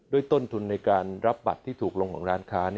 ต้นทุนในการรับบัตรที่ถูกลงของร้านค้า